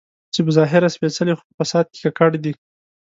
چې په ظاهره سپېڅلي خو په فساد کې ککړ دي.